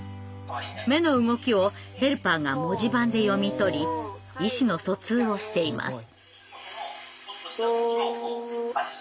目の動きをヘルパーが文字盤で読み取り意思の疎通をしています。